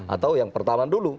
atau yang pertama dulu